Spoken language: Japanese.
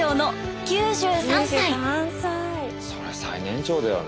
そりゃ最年長だよね。